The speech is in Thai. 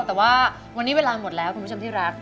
แต่ว่าวันนี้เวลาหมดแล้วคุณผู้ชมที่รัก